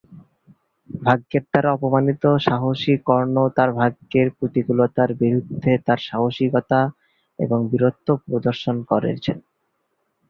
ভাগ্যের দ্বারা অপমানিত, সাহসী কর্ণ তার ভাগ্যের প্রতিকূলতার বিরুদ্ধে তার সাহসিকতা এবং বীরত্ব প্রদর্শন করেন।